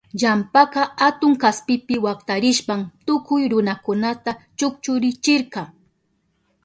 Ilampaka atun kaspipi waktarishpan tukuy runakunata chukchuchirka.